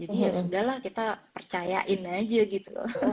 jadi ya sudah lah kita percayain aja gitu